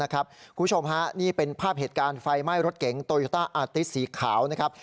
คุณผู้ชมฮะนี่เป็นภาพเหตุการณ์ไฟไหม้รถเก๋งโตโยต้าอาติสีขาวนะครับ